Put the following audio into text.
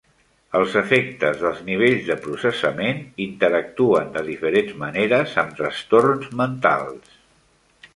Els efectes dels nivells de processament interactuen de diferents maneres amb trastorns mentals.